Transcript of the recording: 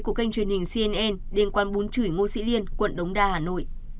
của kênh truyền hình cnn đến quán bún chửi ngô sĩ liên quận đống đa hà nội